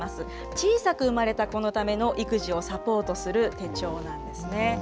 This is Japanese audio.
小さく産まれた子のための育児をサポートする手帳なんですね。